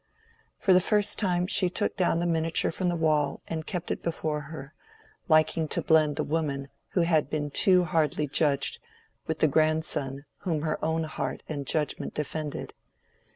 For the first time she took down the miniature from the wall and kept it before her, liking to blend the woman who had been too hardly judged with the grandson whom her own heart and judgment defended.